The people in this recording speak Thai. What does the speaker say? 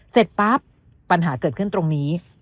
เสร็จปั๊บปัญหาเกิดขึ้นตรงนี้